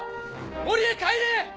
森へ帰れ！